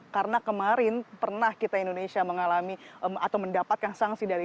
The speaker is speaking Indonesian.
karena kemarin pernah kita indonesia mengalami atau mendapatkan sanksi dari